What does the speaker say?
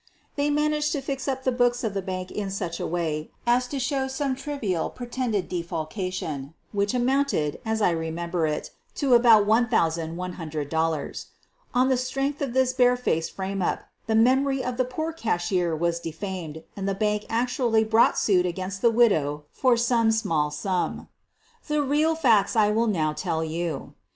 They managed to fix up the books of the bank 234 SOPHIE LYONS in such a way as to show some trivial pretended de falcation, which amounted, as I remember it, to about $1,100. On the strength of this barefaced frame up the memory of the poor cashier was defamed and the bank actually brought suit against the widow for some small sum. The real facts I will now tell you.